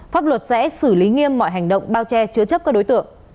pháp luật sẽ xử lý nghiêm mọi hành động bao che chứa chấp các đối tượng